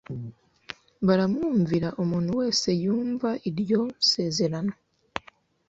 baramwumvira umuntu wese yumva iryo sezerano